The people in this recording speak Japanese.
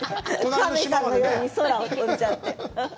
カメさんのように空を飛んじゃうって。